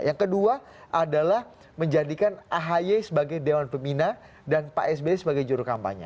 yang kedua adalah menjadikan ahy sebagai dewan pembina dan pak sby sebagai juru kampanye